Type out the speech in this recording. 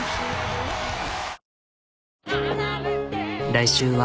来週は。